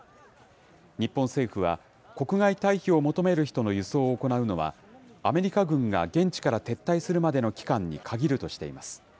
日本政府は、国外退避を求める人の輸送を行うのは、アメリカ軍が現地から撤退するまでの期間に限るとしています。